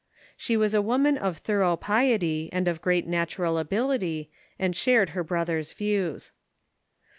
She was a Avoman of thorough piety, and of great natural ability, and shared her brother's views.